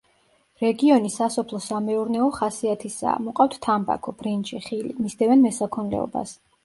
რეგიონი სასოფლო-სამეურნეო ხასიათისაა, მოყავთ თამბაქო, ბრინჯი, ხილი, მისდევენ მესაქონლეობას.